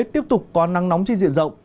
tiếp tục có nắng nóng chi diện rộng